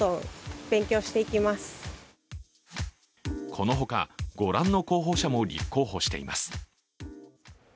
このほか、ご覧の候補者も立候補しています。